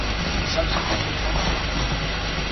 He subsequently turned pro.